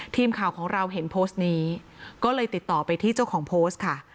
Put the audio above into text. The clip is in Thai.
ทีมข่าวของเราเห็นโพสต์นี้ก็เลยติดต่อไปที่เจ้าของโพสต์ค่ะ